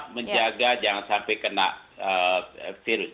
menjaga jangan sampai kena virus